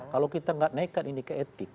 kalau kita nggak naikkan ini ke etik